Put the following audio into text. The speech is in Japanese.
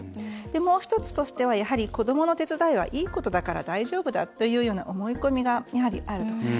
もう１つとしては子どもの手伝いはいいことだから大丈夫だという思い込みがやはりあると。